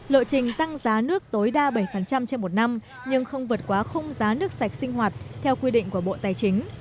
lộ trình tăng giá nước tối đa bảy trên một năm nhưng không vượt quá khung giá nước sạch sinh hoạt theo quy định của bộ tài chính